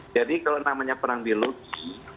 jadi kalau namanya perang biologi